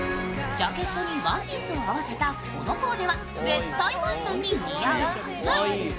ジャケットにワンピースを合わせたこのコーデは絶対麻衣さんに似合うはず。